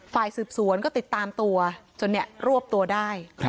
ฝ่ายสืบสวนก็ติดตามตัวจนรวบตัวได้